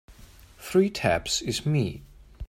Three taps is me.